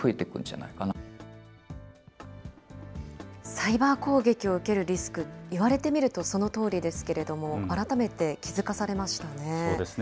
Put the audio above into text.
サイバー攻撃を受けるリスク、言われてみると、そのとおりですけれども、そうですね。